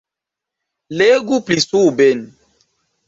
Legu pli suben.